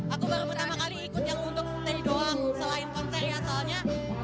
aku baru pertama kali ikut yang untuk stay doang selain konser ya soalnya